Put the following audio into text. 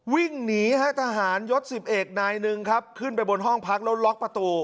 วิ่งหนีฮะทหารยศ๑๑นายหนึ่งครับขึ้นไปบนห้องพักแล้วล็อกประตู